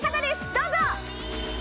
どうぞ！